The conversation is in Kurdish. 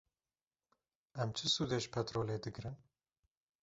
Em çi sûdê ji petrolê digirin?